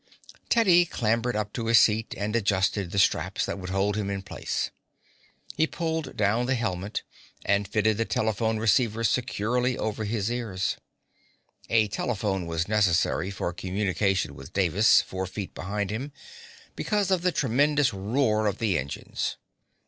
Teddy clambered up to his seat and adjusted the straps that would hold him in place. He pulled down the helmet and fitted the telephone receivers securely over his ears. A telephone was necessary for communication with Davis, four feet behind him, because of the tremendous roar of the engines.